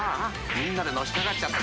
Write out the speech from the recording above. ［みんなでのしかかっちゃって。